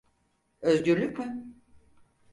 Özgürlük mü?